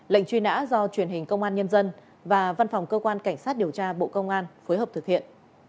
lệnh truy nã do truyền hình công an nhân dân và văn phòng cơ quan cảnh sát điều tra bộ công an phối hợp thực hiện